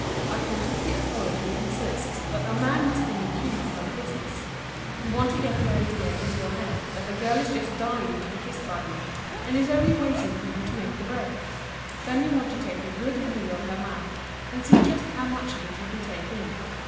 A Kentucky authority insists that a man must be in humor for the business; you want to get the idea into your head that the girl is just dying to be kissed by you and is only waiting for you to make the break. Then you want to take a good view of her mouth and see just how much of it you can take in.